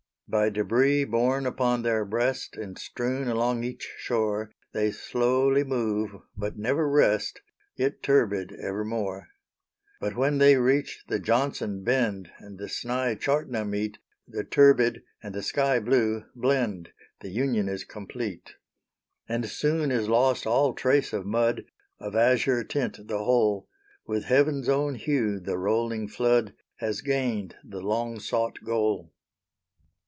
By debris borne upon their breast, And strewn along each shore, They slowly move, but never rest, Yet turbid evermore. But when they reach the Johnson bend And the Sni Chartna meet, The turbid and the sky blue blend The union is complete. And soon is lost all trace of mud; Of azure tint the whole; With heaven's own hue the rolling flood Has gained the long sought goal.